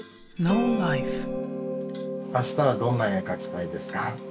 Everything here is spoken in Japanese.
明日はどんな絵描きたいですか？